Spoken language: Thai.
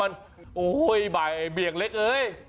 มาครั้งนี้มันจะมากินกินขนุนครับ